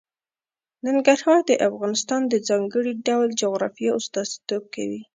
ننګرهار د افغانستان د ځانګړي ډول جغرافیه استازیتوب کوي.